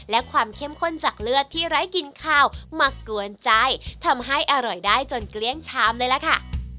และความเข้มข้นจากเลือดที่ไร้กลิ่นข้าวมากวนใจทำให้อร่อยได้จนเกลี้ยงชามเลยล่ะค่ะ